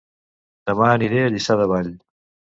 Dema aniré a Lliçà de Vall